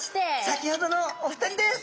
先ほどのお二人です。